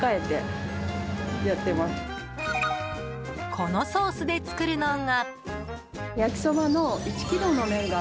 このソースで作るのが。